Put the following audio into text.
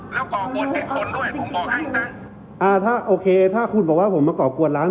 แล้วก่อกวนเด็กคนด้วยผมบอกให้นะอ่าถ้าโอเคถ้าคุณบอกว่าผมมาก่อกวนร้าน